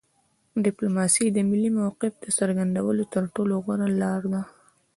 ډیپلوماسي د ملي موقف د څرګندولو تر ټولو غوره لار ده